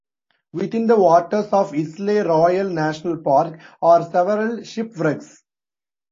Within the waters of Isle Royale National Park are several shipwrecks.